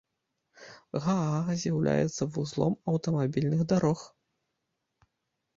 Гаага з'яўляецца вузлом аўтамабільных дарог.